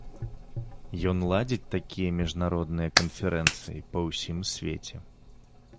Ён ладзіць такія міжнародныя канферэнцыі па ўсім свеце.